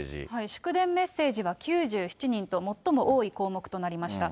祝電、メッセージは９７人と最も多い項目となりました。